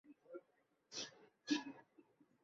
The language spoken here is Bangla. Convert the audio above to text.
আর আপনার দেবতার কাছে প্রার্থনা করুন।